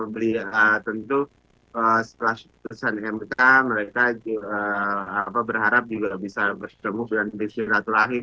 beliau tentu setelah putusan mk mereka berharap juga bisa bertemu dengan silaturahim